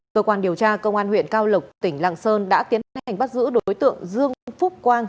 cơ quan điều tra công an huyện cao lộc tỉnh lạng sơn đã tiến hành bắt giữ đối tượng dương phúc quang